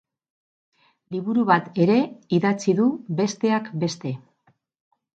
Liburu bat ere idatzi du, besteak beste.